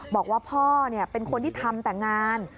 บอกว่าพ่อเป็นคนที่ทำแต่งาน